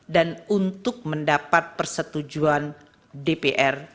dan untuk mendapat persetujuan dpr